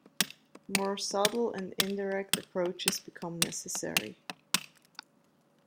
More subtle and indirect approaches become necessary.